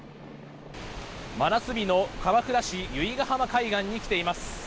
真夏日の鎌倉市・由比ガ浜海岸に来ています。